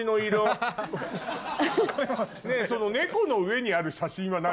その猫の上にある写真は何？